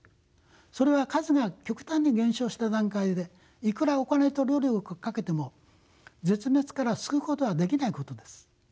それは数が極端に減少した段階でいくらお金と労力をかけても絶滅から救うことはできないことです。